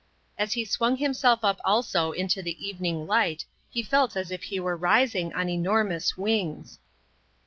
As he swung himself up also into the evening light he felt as if he were rising on enormous wings.